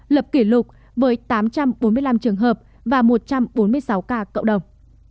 lập kỷ lục với tám trăm bốn mươi năm trường hợp và một trăm bốn mươi sáu ca cộng đồng